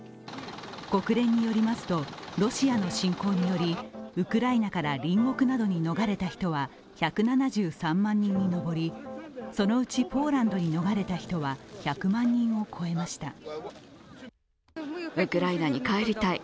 国連によりますと、ロシアの侵攻によりウクライナから隣国などに逃れた人は１７３万人に上りそのうちポーランドに逃れた人は１００万人を超えました。